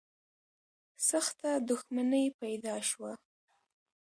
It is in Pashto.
سخته دښمني پیدا شوه